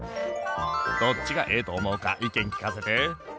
どっちがええとおもうか意見きかせて！